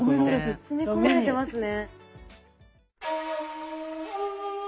詰め込まれてますね。